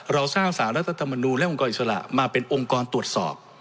เราสร้างสารรัฐธรรมนูลและองค์กรอิสระมาเป็นองค์กรตรวจสอบ